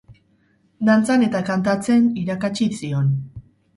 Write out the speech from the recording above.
Dantzan eta kantatzen irakatsi zion.